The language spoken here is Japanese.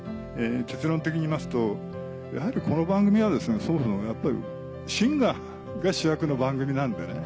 結論的に言いますとやはりこの番組はそもそもやっぱりシンガーが主役の番組なんでね